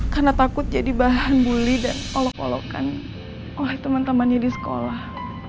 karena takut jadi bahan bully dan olok olokan oleh teman temannya di sekolah